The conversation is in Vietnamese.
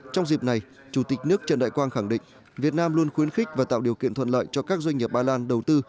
trong dịp này chủ tịch nước trần đại quang khẳng định việt nam luôn khuyến khích và tạo điều kiện thuận lợi cho các doanh nghiệp ba lan đầu tư